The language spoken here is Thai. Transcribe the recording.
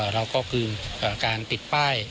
เราก็คือการติดป้าย